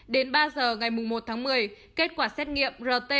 đến ba giờ ngày một tháng một mươi kết quả xét nghiệm rt